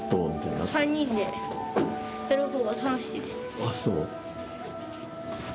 あっそう。